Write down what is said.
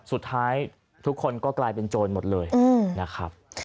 สุดท้ายทุกคนก็กลายเป็นโจรหมดเลยนะครับ